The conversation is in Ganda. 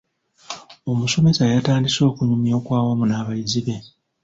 Omusomesa yatandise okunyumya okwawamu n'abayizi be.